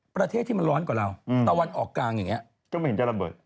ประเทศที่มันร้อนกว่าเราตะวันออกกลางอย่างงี้